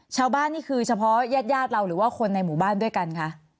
ชาวบ้านนี่คือเฉพาะแยกยาดเราหรือว่าคนในหมู่บ้านด้วยกันคะ